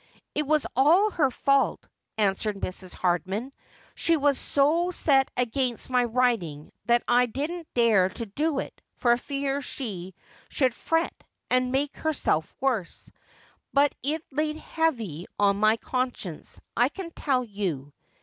' It was all her fault,' answered Mrs. Hardman. ' She was so set against my writing that I didn't dare to do it for fear she should fret and make herself worse. But it laid heavy on my conscience, I can tell you.